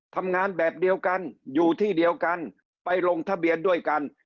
ทำงานแบบเดียวกันอยู่ที่เดียวกันไปลงทะเบียนด้วยกัน